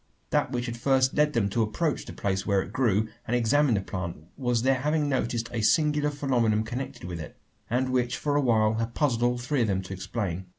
That which had first led them to approach the place where it grew, and examine the plant, was their having noticed a singular phenomenon connected with it; and which for awhile had puzzled all three of them to explain.